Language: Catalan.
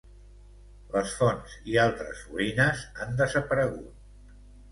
Les fonts i altres ruïnes han desaparegut.